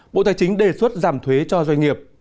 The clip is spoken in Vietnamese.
bộ tài chính đề xuất giảm thuế cho doanh nghiệp